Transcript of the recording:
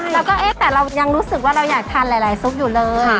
แล้วก็เอ๊ะแต่เรายังรู้สึกว่าเราอยากทานหลายซุปอยู่เลย